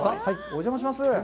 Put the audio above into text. お邪魔します。